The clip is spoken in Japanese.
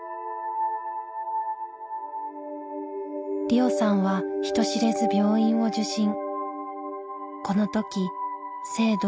りおさんは人知れず病院を受診。